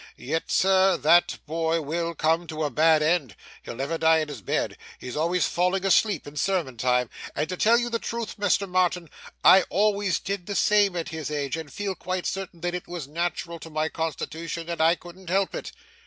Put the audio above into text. Yet, sir, that boy will come to a bad end; he'll never die in his bed; he's always falling asleep in sermon time and to tell you the truth, Mr Marton, I always did the same at his age, and feel quite certain that it was natural to my constitution and I couldn't help it.